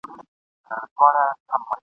زه پخپلو وزرونو د تیارې پلو څیرمه ..